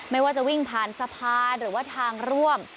ไม่ว่าจะวิ่งผ่านสะพานหรือว่าทางร่วม